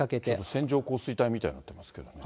線状降水帯みたいになってますけどね。